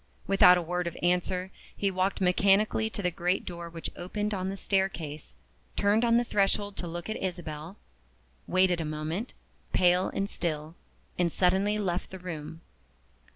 Without a word of answer, he walked mechanically to the great door which opened on the staircase turned on the threshold to look at Isabel waited a moment, pale and still and suddenly left the room.